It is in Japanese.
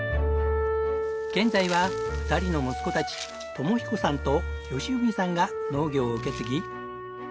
現在は２人の息子たち智彦さんと喜文さんが農業を受け継ぎ。